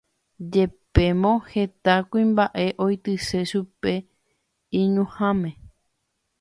Jepémo heta kuimba'e oityse chupe iñuhãme